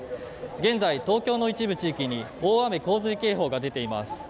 現在、東京の一部地域に大雨・洪水警報が出ています。